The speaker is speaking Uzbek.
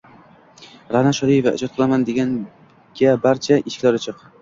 Ra’no Shodiyeva: «Ijod qilaman, deganga barcha eshiklar ochiq»